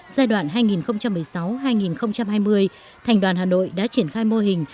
giai đoạn hai nghìn một mươi sáu hai nghìn hai mươi thành đoàn hà nội đã triển khai mô hình